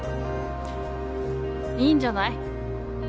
いいんじゃない？